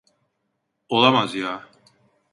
Olamaz ya!